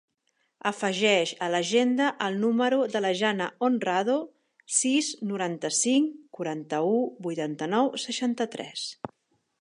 Afegeix a l'agenda el número de la Janna Honrado: sis, noranta-cinc, quaranta-u, vuitanta-nou, seixanta-tres.